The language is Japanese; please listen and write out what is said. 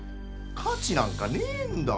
価値なんかねえんだ！